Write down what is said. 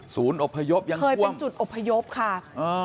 ศูนย์อบพยพยังท่วมอเจมส์เคยเป็นจุดอบพยพค่ะ